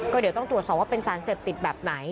ก็เดี๋ยวต้องตรวจสอบว่าเป็นสารเสพติดแบบไหน